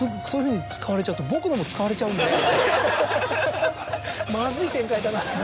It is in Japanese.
そういうふうに使われちゃうと僕のも使われちゃうんで。